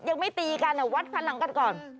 ยังไม่ตีกันอ่ะวัดพลังกันก่อนอ๋อ